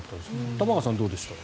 玉川さんはどうでしたか？